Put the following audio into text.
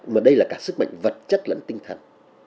mà đây là cả sức mạnh vật chất lẫn tinh thần